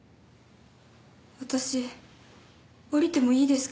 私降りてもいいですか？